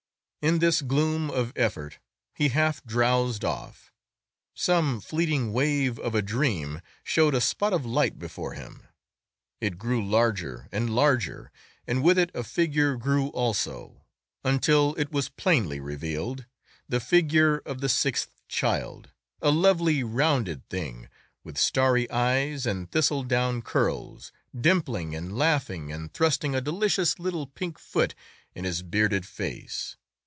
In this gloom of effort he half drowsed off; some fleeting wave of a dream showed a spot of light before him; it grew larger and larger, and with it a figure grew also, until it was plainly revealed—the figure of the sixth child, a lovely rounded thing with starry eyes and thistledown curls, dimpling and laughing and thrusting a delicious little pink foot in his bearded face.